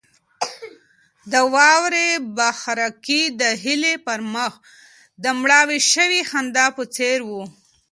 د واورې بڅرکي د هیلې پر مخ د مړاوې شوې خندا په څېر وو.